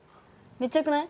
めっちゃよくない？